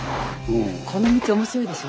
この道面白いでしょ。